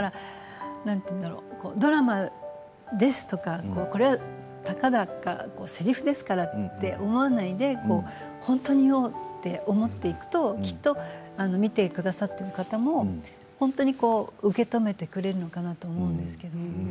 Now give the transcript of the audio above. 何て言うんだろうドラマですとかたかだかせりふですから、と思わないで本当に言おうと思っていくときっと見てくださっている方も本当に受け止めてくれるのかなと思うんですよね。